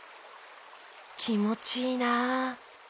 きもちいいなあ。